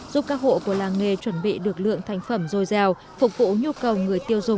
giúp các hộ của làng nghề chuẩn bị được lượng thành phẩm dồi dàng